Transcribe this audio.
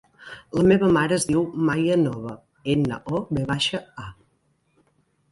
La meva mare es diu Maia Nova: ena, o, ve baixa, a.